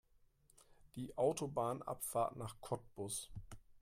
Die Autobahnabfahrt nach Cottbus